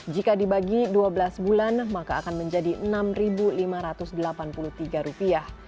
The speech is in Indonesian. jika dibagi dua belas bulan maka akan menjadi rp enam lima ratus delapan puluh tiga rupiah